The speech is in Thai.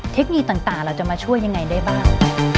เทคนิคต่างเราจะมาช่วยยังไงได้บ้าง